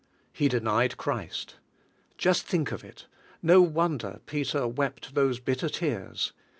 He denied Christ. Just think of it! No wonder Peter wept those bitter tears.